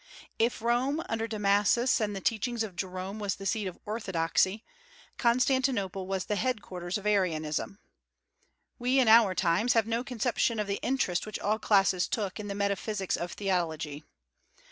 If Rome under Damasus and the teachings of Jerome was the seat of orthodoxy, Constantinople was the headquarters of Arianism. We in our times have no conception of the interest which all classes took in the metaphysics of theology.